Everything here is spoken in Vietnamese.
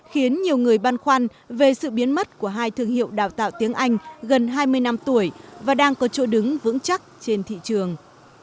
khiến nhiều người băn khoăn về sự biến mất của hai thương hiệu đào tạo tiếng anh gần hai mươi năm tuổi và đang có chỗ đứng vững chắc trên thị trường